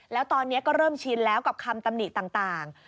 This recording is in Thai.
แล้วตอนนี้ก็เริ่มชินแล้วกับคำตำหนิต่าง